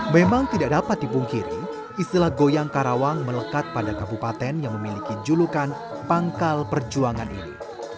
memang tidak dapat dipungkiri istilah goyang karawang melekat pada kabupaten yang memiliki julukan pangkal perjuangan ini